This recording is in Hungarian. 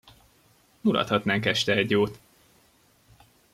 Mulathatnánk este egy jót!